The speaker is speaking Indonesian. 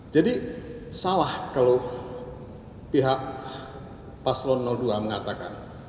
jadi salah kalau pihak paslon dua mengatakan